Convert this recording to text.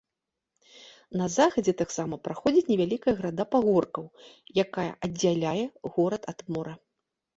На захадзе таксама праходзіць невялікая града пагоркаў, якая аддзяляе горад ад мора.